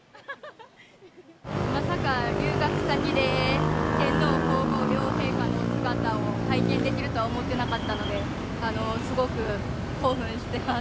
まさか留学先で天皇皇后両陛下のお姿を拝見できるとは思ってなかったので、すごく興奮してます。